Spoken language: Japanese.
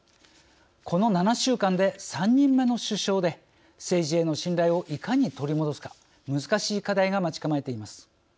この７週間で３人目の首相で政治への信頼をいかに取り戻すか難しいかじ取りを課題が待ち構えています。